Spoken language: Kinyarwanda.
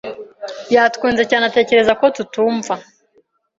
Yatwenze cyane atekereza ko tutumva